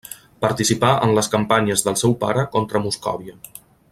Participà en les campanyes del seu pare contra Moscòvia.